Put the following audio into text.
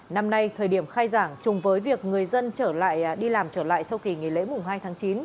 năm nay thời điểm khai giảng chung với việc người dân đi làm trở lại sau kỳ nghỉ lễ mùa hai tháng chín